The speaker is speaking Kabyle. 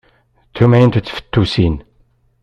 D tumεint n tfettusin!